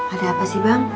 ada apa sih bang